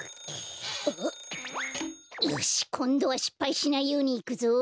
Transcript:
よしこんどはしっぱいしないようにいくぞ！